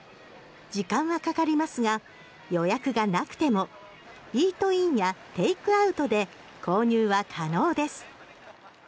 時間はかかりますが予約がなくてもイートインやテイクアウトで購入は可能です。